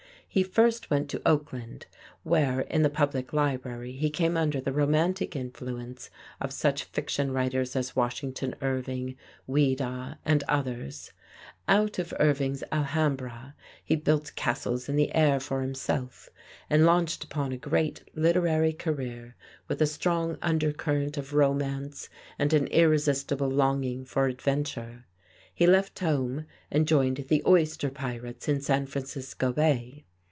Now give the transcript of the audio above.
He first went to Oakland, where, in the public library, he came under the romantic influence of such fiction writers as Washington Irving, Ouida and others. Out of Irving's "Alhambra" he built castles in the air for himself, and launched upon a great literary career with a strong under current of romance and an irresistible longing for adventure. He left home and joined the oyster pirates in San Francisco Bay.